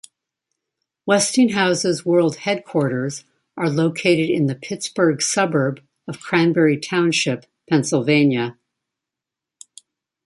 Westinghouse's world headquarters are located in the Pittsburgh suburb of Cranberry Township, Pennsylvania.